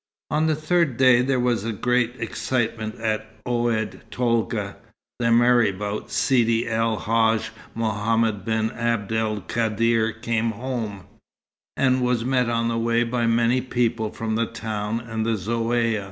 On the third day there was great excitement at Oued Tolga. The marabout, Sidi El Hadj Mohammed ben Abd el Kadr, came home, and was met on the way by many people from the town and the Zaouïa.